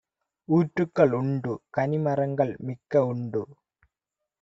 ஊற்றுக்கள் உண்டு; கனிமரங்கள் மிக்கஉண்டு;